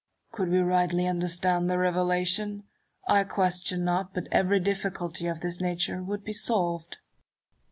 Could we rightly understand the Revelation, I question not but every difficulty of this nature would be solved.